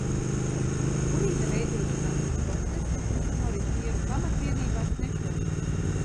Urīna veidošanās ir process, kas norit nieru pamatvienībās – nefronos.